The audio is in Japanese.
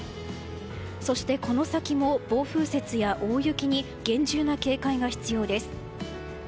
そして、この先も暴風雪や大雪に厳重な警戒が必要です。